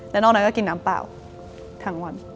แล้วนอกน้อยก็กินน้ำเปล่าทั้งวัน